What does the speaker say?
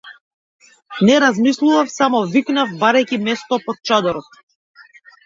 Не размислував, само викнав барајќи место под чадорот.